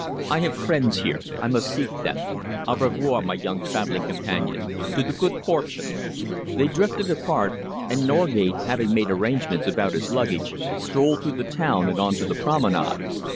I have friends here. I must seek them. Au revoir, my young travelling companion. To the good fortune!" They drifted apart, and Norgate, having made arrangements about his luggage, strolled through the town and on to the promenade.